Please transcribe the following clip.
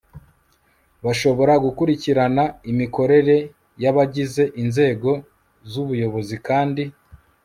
bashobora gukurikirana imikorere y'abagize inzego z'ubuyobozi kandi